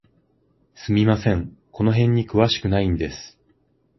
すみません、この辺に詳しくないんです。